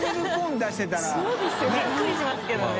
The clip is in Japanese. びっくりしますけどね。